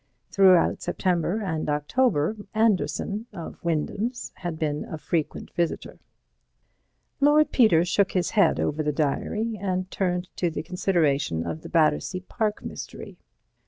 Throughout September and October, Anderson (of Wyndham's) had been a frequent visitor. Lord Peter shook his head over the diary, and turned to the consideration of the Battersea Park mystery.